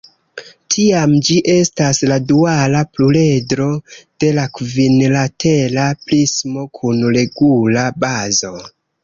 Tiam gi estas la duala pluredro de la kvinlatera prismo kun regula bazo.